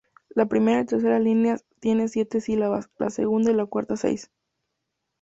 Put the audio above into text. La primera y tercera líneas tiene siete sílabas, la segunda y la cuarta, seis.